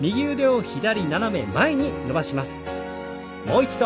もう一度。